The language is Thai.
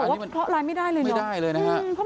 คือจะบอกว่าเพราะอะไรไม่ได้เลยไม่ได้เลยนะครับ